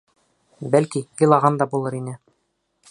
Бәлки, илаған да булыр ине.